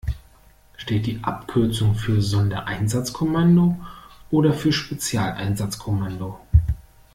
Steht die Abkürzung für Sondereinsatzkommando oder für Spezialeinsatzkommando?